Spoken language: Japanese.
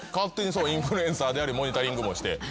インフルエンサーでありモニタリングもして。